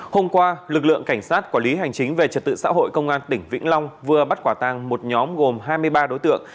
hôm qua lực lượng cảnh sát quản lý hành chính về trật tự xã hội công an tỉnh vĩnh long vừa bắt quả tăng một nhóm gồm hai mươi ba đối tượng